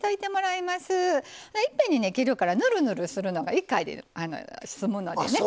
いっぺんに切るからぬるぬるするのが１回で済むのでね